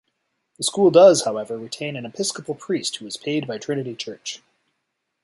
The school does, however, retain an Episcopal priest who is paid by Trinity Church.